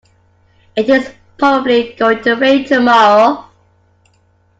It is probably going to rain tomorrow.